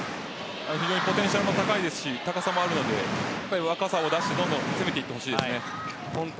ポテンシャルも高いですし高さもあるので若さを出してどんどん攻めていってほしいですね。